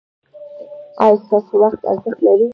ایا ستاسو وخت ارزښت لري؟